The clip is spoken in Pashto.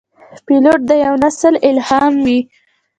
پیلوټ د یوه نسل الهام وي.